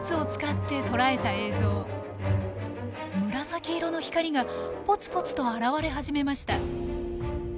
紫色の光がポツポツと現れ始めました。